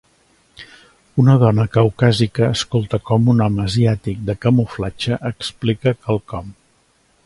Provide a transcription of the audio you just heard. Una dona caucàsica escolta com un home asiàtic de camuflatge explica quelcom